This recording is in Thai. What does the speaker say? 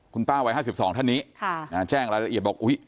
คุณป้าวัยห้าสิบสองท่านนี้ค่ะอ่าแจ้งรายละเอียดบอกอุ๊ย